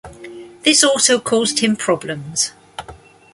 This also caused him problems.